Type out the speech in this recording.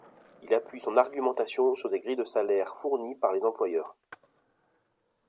Il appuie son argumentation sur des grilles de salaires fournies par les employeurs.